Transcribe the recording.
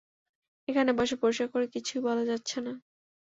এখানে বসে পরিষ্কার করে কিছুই বলা যাচ্ছে না!